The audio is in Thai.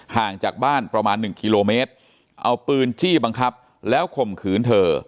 ห่างจากบ้านประมาณหนึ่งกิโลเมตรเอาปืนจี้บังคับแล้วข่มขืนเธอ